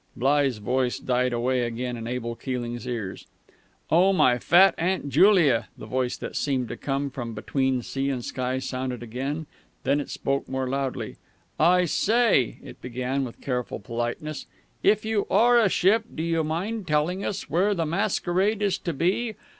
"_ Bligh's voice died away again in Abel Keeling's ears. "Oh my fat Aunt Julia!" the voice that seemed to come from between sea and sky sounded again. Then it spoke more loudly. "I say," it began with careful politeness, "_if you are a ship, do you mind telling us where the masquerade is to be?